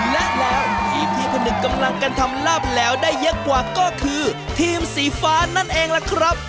และแล้วทีมที่คุณหนึ่งกำลังกันทำลาบแล้วได้เยอะกว่าก็คือทีมสีฟ้านั่นเองล่ะครับ